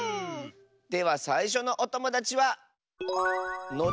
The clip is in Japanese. ではさいしょのおともだちは。